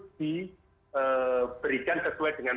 diberikan sesuai dengan